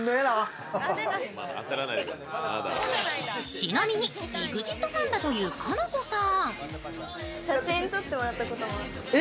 ちなみにＥＸＩＴファンだという、かなこさん。